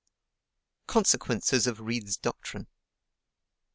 Consequences of Reid's doctrine.